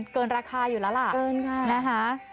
เกินราคาอยู่แล้วละละอยู่แล้วละ